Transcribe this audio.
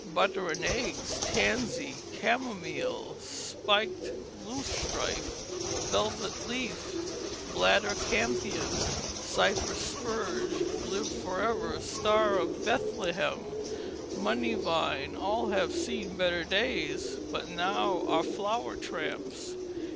Butter and eggs, tansy, chamomile, spiked loosestrife, velvet leaf, bladder campion, cypress spurge, live for ever, star of Bethlehem, money vine, all have seen better days, but now are flower tramps.